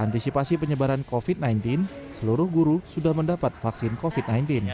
antisipasi penyebaran covid sembilan belas seluruh guru sudah mendapat vaksin covid sembilan belas